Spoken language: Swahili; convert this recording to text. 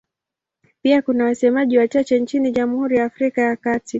Pia kuna wasemaji wachache nchini Jamhuri ya Afrika ya Kati.